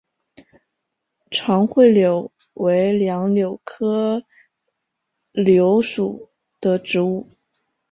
长穗柳为杨柳科柳属的植物。